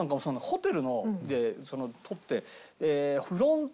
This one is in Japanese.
ホテルで取って。